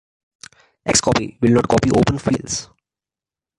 Xcopy will not copy open files.